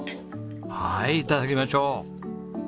はい頂きましょう！